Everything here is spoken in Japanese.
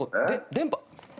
電波。